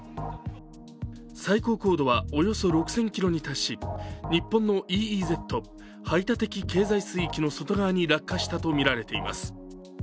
最高高度はおよそ６０００ｋｍに達し日本のＥＥＺ＝排他的経済水域の外側に落下したとみられています。